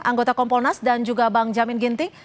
anggota kompolnas dan juga bang jamin ginting